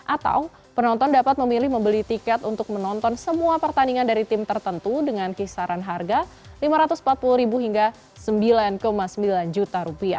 atau penonton dapat memilih membeli tiket untuk menonton semua pertandingan dari tim tertentu dengan kisaran harga rp lima ratus empat puluh hingga rp sembilan sembilan juta